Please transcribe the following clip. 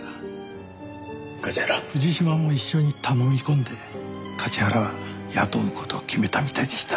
藤島も一緒に頼み込んで梶原は雇う事を決めたみたいでしたね。